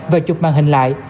và chụp màn hình lại